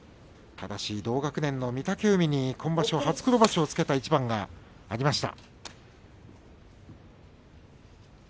ただし、同学年の御嶽海に今場所初黒星をつけた一番がありました。